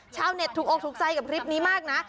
ชาวเน็ตถูกออกถูกใจกับคลิปนี้มากนะ